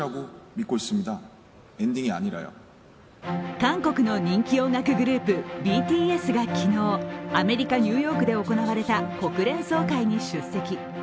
韓国の人気音楽グループＢＴＳが昨日アメリカ・ニューヨークで行われた国連総会に出席。